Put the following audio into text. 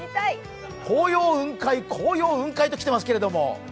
紅葉、雲海、紅葉、雲海と来ていますけれども。